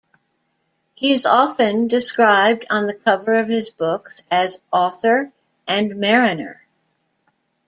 He is often described on the cover of his books as "author and mariner".